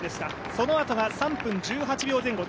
そのあとが３分１８秒前後。